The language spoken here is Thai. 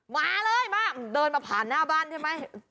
มาเลยมาเดินมาผ่านหน้าบ้านใช่ไหม